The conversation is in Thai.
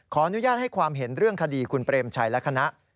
อนุญาตให้ความเห็นเรื่องคดีคุณเปรมชัยและคณะ